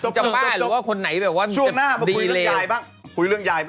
ก็ว่าคนไหนจะดีแล้ว